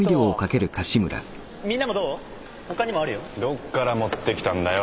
どっから持ってきたんだよ。